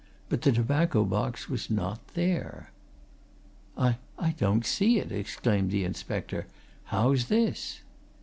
But the tobacco box was not there. "I I don't see it!" exclaimed the inspector. "How's this?"